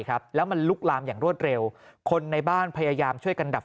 ครับแล้วมันลุกลามอย่างรวดเร็วคนในบ้านพยายามช่วยกันดับ